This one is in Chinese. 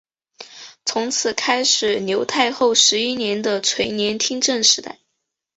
从此开始刘太后十一年的垂帘听政时代。